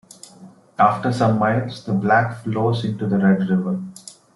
After some miles, the Black flows into the Red River.